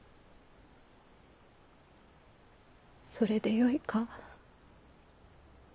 それでよいか？